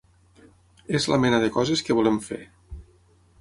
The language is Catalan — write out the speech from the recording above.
És la mena de coses que volem fer.